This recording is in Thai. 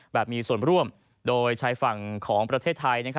มีส่วนร่วมโดยชายฝั่งของประเทศไทย